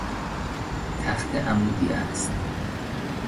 تخته عمودی است.